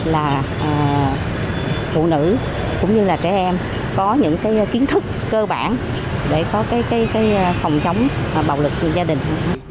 là phụ nữ cũng như là trẻ em có những kiến thức cơ bản để có cái phòng chống bạo lực của gia đình